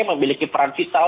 memiliki peran vital